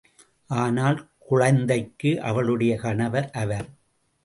ஆனால் குழந்தைக்கு அவளுடைய கணவர் அவர்.